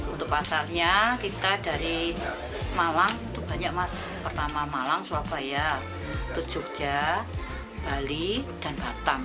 untuk pasarnya kita dari malang pertama malang sulawesi jogja bali dan batam